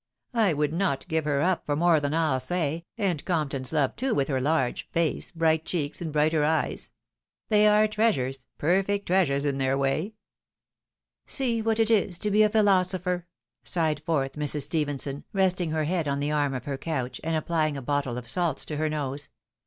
I would not give her up for more than I'll say — and Compton 's love too, with her large face, bright cheeks, and brighter eyes. They are treasures, perfect treasures in their way." A DEEADFUL POSSIBILITY. 187 "See what it is to be a philosopher," sighed forth Mrs. Stephenson, resting her head on the arm of her couch, and applying a bottle of salts to her nose.